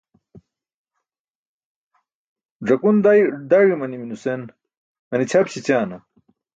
Ẓakun daẏ i̇mani̇mi nusen mene ćʰap śećaana?